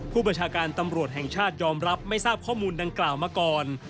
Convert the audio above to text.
ผู้บัญชาการตำรวจแห่งชาติยอมรับไม่ทราบข้อมูลดังกล่าวมาก่อน